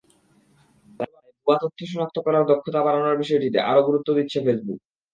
তাই ভুয়া তথ্য শনাক্ত করার দক্ষতা বাড়ানোর বিষয়টিতে আরও গুরুত্ব দিচ্ছে ফেসবুক।